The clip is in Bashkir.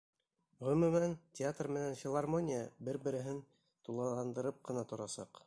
Ғөмүмән, театр менән филармония бер-береһен тулыландырып ҡына торасаҡ.